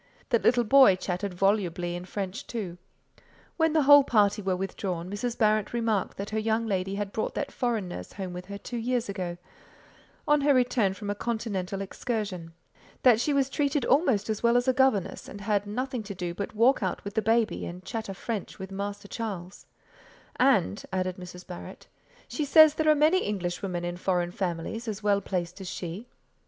The little boy chattered volubly in French too. When the whole party were withdrawn, Mrs. Barrett remarked that her young lady had brought that foreign nurse home with her two years ago, on her return from a Continental excursion; that she was treated almost as well as a governess, and had nothing to do but walk out with the baby and chatter French with Master Charles; "and," added Mrs. Barrett, "she says there are many Englishwomen in foreign families as well placed as she."